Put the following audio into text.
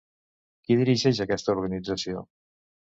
Qui dirigeix aquesta organització?